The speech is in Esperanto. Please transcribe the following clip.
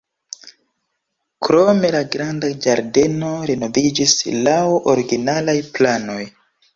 Krome la granda ĝardeno renoviĝis laŭ originalaj planoj.